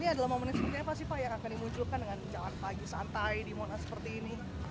yang akan dimunculkan dengan jalan pagi santai di monas seperti ini